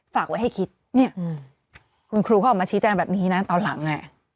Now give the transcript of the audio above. ฝากไว้ให้คิดเนี่ยคุณครูเขาออกมาชี้แจงแบบนี้นะตอนหลัง